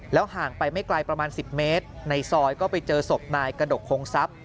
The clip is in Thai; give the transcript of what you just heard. ห่างไปไม่ไกลประมาณ๑๐เมตรในซอยก็ไปเจอศพนายกระดกคงทรัพย์